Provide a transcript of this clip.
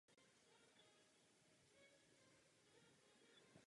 Samice je zřetelně větší než samec a může dosahovat až dvojnásobné hmotnosti.